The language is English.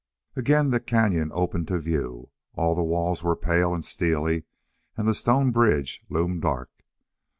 Again the cañon opened to view. All the walls were pale and steely and the stone bridge loomed dark.